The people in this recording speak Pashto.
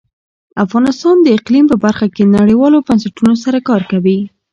افغانستان د اقلیم په برخه کې نړیوالو بنسټونو سره کار کوي.